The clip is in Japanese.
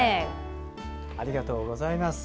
ありがとうございます。